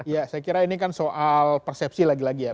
ya saya kira ini kan soal persepsi lagi lagi ya